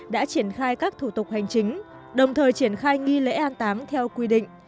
đã triển khai các thủ tục hành chính đồng thời triển khai nghi lễ an tám theo quy định